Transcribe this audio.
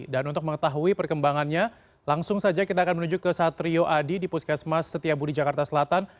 dan untuk mengetahui perkembangannya langsung saja kita akan menuju ke satrio adi di puskesmas setia budi jakarta selatan